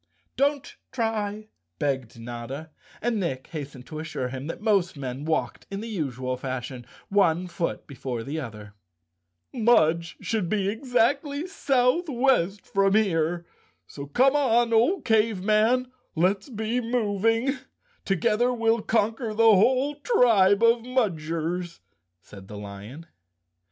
"Don't try," begged Notta, and Nick hastened to 228 _ Chapter Seventeen assure him that most men walked in the usual fashion —one foot before the other. "Mudge should be exactly southwest from here, so come on, old Cave Man, let's be moving. Together we'll conquer the whole tribe of Mudgers," said the lion.